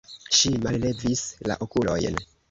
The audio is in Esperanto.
Ŝi mallevis la okulojn.